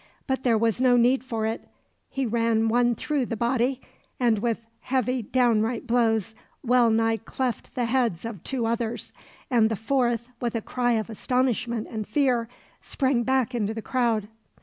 But there was no need for it. He ran one through the body, and with heavy downright blows, well nigh cleft the heads of two others; and the fourth, with a cry of astonishment and fear, sprang back into the crowd.